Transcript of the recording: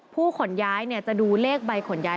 ผู้ขนย้ายจะดูเลขใบขนย้าย